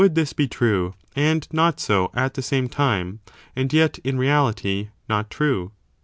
[bOOK IIL this be true and not so at the same time, and yet, in reality, not true?